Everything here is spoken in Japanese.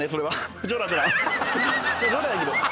はい！